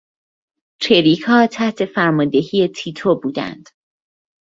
چریکها تحت فرماندهی تیتو بودند.